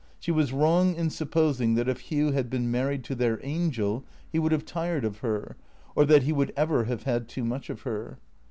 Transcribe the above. She was wrong in supposing that if Hugh had been married to their angel he would have tired of her, or that he would ever have had too much of her.